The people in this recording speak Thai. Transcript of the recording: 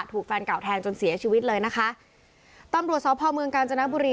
แฟนเก่าแทงจนเสียชีวิตเลยนะคะตำรวจสพเมืองกาญจนบุรี